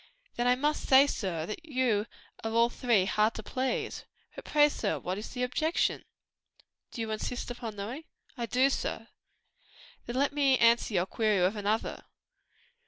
"Then I must say, sir, that you are all three hard to please. But pray, sir, what is the objection?" "Do you insist upon knowing?" "I do, sir." "Then let me answer your query with another.